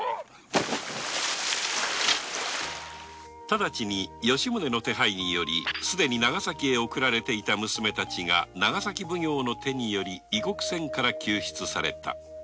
直ちに吉宗の手配により既に長崎へ送られていた娘達が長崎奉行の手により異国船から救出された